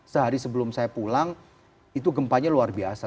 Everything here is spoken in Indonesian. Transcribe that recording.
sehari sebelum saya pulang itu gempanya luar biasa